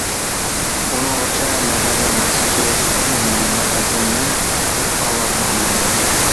ئۇنىڭغىچە مەھەللە مەسچىت مەزىنىنىڭ ئاۋازى ئاڭلاندى.